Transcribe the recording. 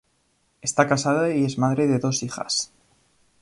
Está casada y es madre de dos hijas.